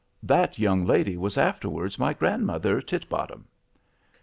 That young lady was afterwards my grandmother Titbottom.